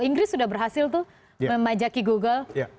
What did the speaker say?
inggris sudah berhasil tuh memajaki google